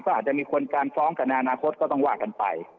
ก็อาจจะมีคนการฟ้องกันในอนาคตก็ต้องว่ากันไป